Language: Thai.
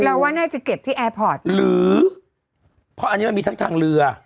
ว่าน่าจะเก็บที่แอร์พอร์ตหรือเพราะอันนี้มันมีทั้งทางเรือ